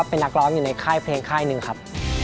เป็นนักร้อนอยู่ในห้ายเพลง๑ครับ